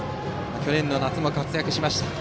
去年夏も活躍しました。